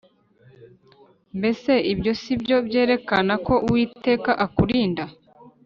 Mbese ibyo si byo byerekana ko Uwiteka akurinda